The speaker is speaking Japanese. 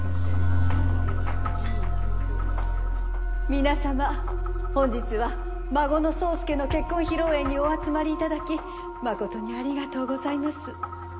皆さま本日は孫の宗介の結婚披露宴にお集まりいただき誠にありがとうございます。